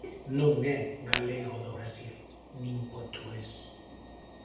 Non é galego do Brasil nin portugués.